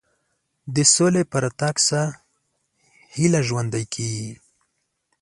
د سولې په راتګ سره هیله ژوندۍ کېږي.